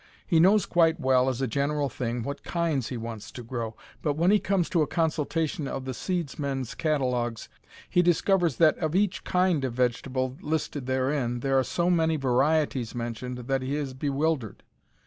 He knows quite well, as a general thing, what kinds he wants to grow, but when he comes to a consultation of the seedsmen's catalogues he discovers that of each kind of vegetable listed therein there are so many varieties mentioned that he is bewildered.